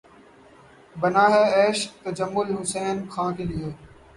بنا ہے عیش تجمل حسین خاں کے لیے